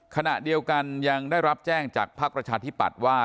ขณะเดียวกันยังได้รับแจ้งจากภักดิ์ประชาธิปัตย์ว่า